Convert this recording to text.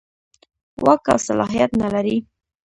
واک او صلاحیت نه لري.